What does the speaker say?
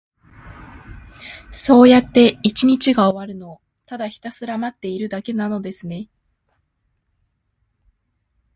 そうやって一日が終わるのを、ただひたすら待っているだけなのですね。